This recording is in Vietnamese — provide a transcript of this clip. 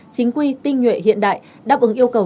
chính quy tinh nhuệ hiện đại đáp ứng yêu cầu